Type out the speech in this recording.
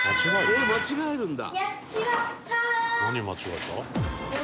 「えっ間違えるんだ」